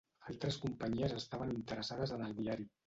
Altres companyies estaven interessades en el diari.